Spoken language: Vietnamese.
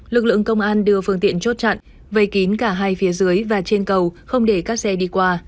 lực lượng công an đưa phương tiện chốt chặn vây kín cả hai phía dưới